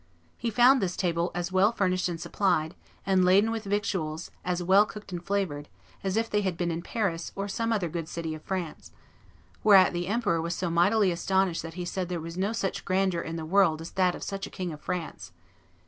He found this table as well furnished and supplied, and laden with victuals as well cooked and flavored, as if they had been in Paris or some other good city of France; whereat the emperor was so mightily astonished that he said that there was no such grandeur in the world as that of such a King of France.